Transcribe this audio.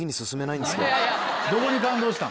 どこに感動したん？